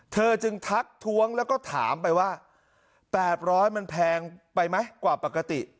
เธอจึงทักท้วงแล้วก็ถามไปว่า๘๐๐มันแพงไปไหมกว่าปกติ